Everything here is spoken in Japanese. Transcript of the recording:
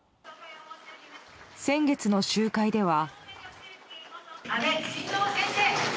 先月の集会では。